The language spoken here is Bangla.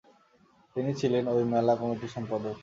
তিনি ছিলেন ঐ মেলা কমিটির সম্পাদক।